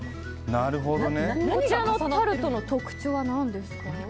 こちらのタルトの特徴は何ですか。